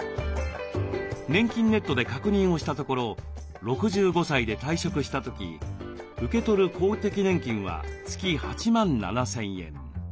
「ねんきんネット」で確認をしたところ６５歳で退職した時受け取る公的年金は月８万７，０００円。